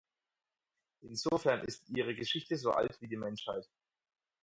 Insofern ist ihre Geschichte so alt wie die Menschheit.